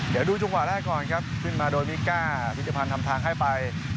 เดี๋ยวดูจังหวะแรกก่อนครับขึ้นมาโดยมิก้าพิธภัณฑ์ทำทางให้ไป